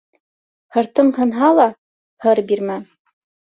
Һыртың һынһа ла, һыр бирмә.